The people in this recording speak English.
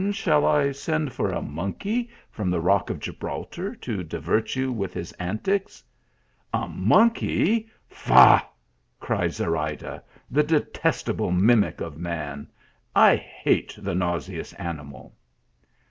" Shall I send for a monkey from the rock of Gib raltar, to divert you with his antics ?" "A monkey! faugh!" cried Zorayda, "the de testable mimic of man. I hate the nauseous animal."